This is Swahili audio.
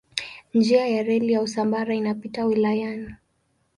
Njia ya reli ya Usambara inapita wilayani.